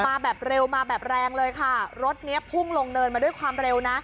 มาแบบเร็วมาแบบแรงเลยค่ะรถเนี้ยพุ่งลงเนินมาด้วยความเร็วนะ